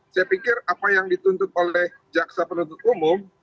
saya pikir apa yang dituntut oleh jaksa penuntut umum